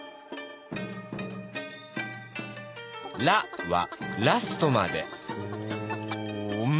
「ラ」はラストまでほ！